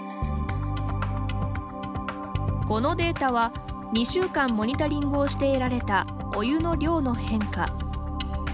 このデータは、２週間モニタリングをして得られたお湯の量の変化。